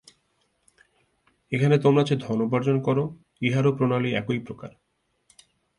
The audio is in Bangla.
এখানে তোমরা যে ধন উপার্জন কর, ইহারও প্রণালী একই প্রকার।